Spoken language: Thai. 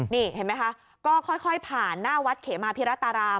นี่เห็นไหมคะก็ค่อยผ่านหน้าวัดเขมาพิรัตราราม